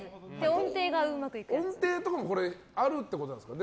音程とかもあるってことなんですか？